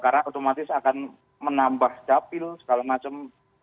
karena otomatis akan menambah dapil segala macam